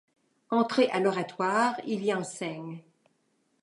Entré à l'Oratoire, il y enseigne.